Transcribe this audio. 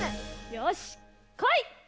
よしこい！